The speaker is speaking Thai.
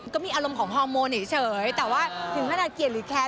ก็มีอารมณ์ของฮอร์โมนเฉย